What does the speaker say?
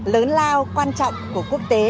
lớn lao quan trọng của quốc tế